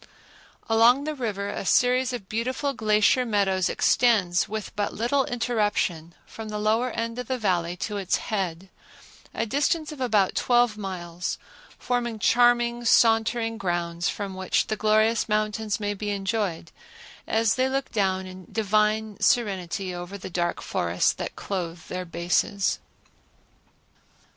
Along the river a series of beautiful glacier meadows extend with but little interruption, from the lower end of the Valley to its head, a distance of about twelve miles, forming charming sauntering grounds from which the glorious mountains may be enjoyed as they look down in divine serenity over the dark forests that clothe their bases.